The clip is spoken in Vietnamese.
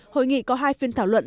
hội nghị có hai phiên thảo luận